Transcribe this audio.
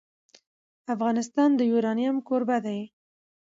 افغانستان د یورانیم کوربه دی.